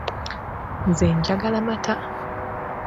Nze njagala mata.